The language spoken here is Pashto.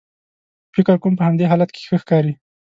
فکر کوم په همدې حالت کې ښه ښکارې.